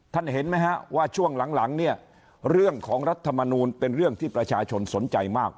เห็นไหมฮะว่าช่วงหลังเนี่ยเรื่องของรัฐมนูลเป็นเรื่องที่ประชาชนสนใจมาก